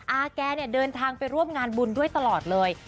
อาแกเนี่ยเดินทางไปร่วมงานบุญด้วยตลอดเลย